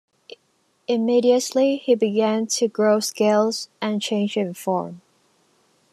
Immediately he began to grow scales and change in form.